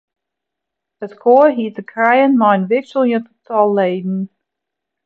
It koar hie te krijen mei in wikseljend tal leden.